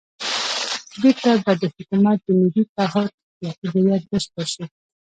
بېرته به د حکومت د ملي تعهُد اخلاقي هویت بشپړ شي.